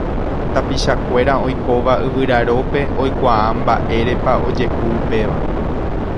Tapichakuéra oikóva Yvyrarópe oikuaa mba'érepa ojehu upéva.